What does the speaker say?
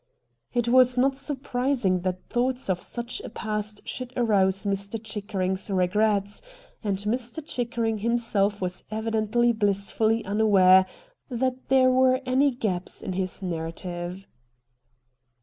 It was not surprising that thoughts of such a past should arouse Mr. Chickering's regrets, and Mr. Chickering himself was evidently bhss fully unaware that there were any gaps in his narrative.